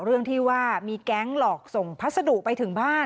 เรื่องที่ว่ามีแก๊งหลอกส่งพัสดุไปถึงบ้าน